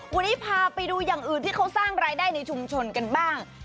วันนี้พาไปดูอย่างอื่นที่เขาสร้างรายได้ในชุมชนกันบ้าง